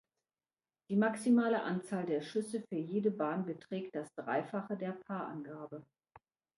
Die maximale Anzahl der Schüsse für jede Bahn beträgt das Dreifache der Par-Angabe.